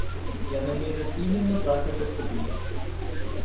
Я намерен именно так и поступить.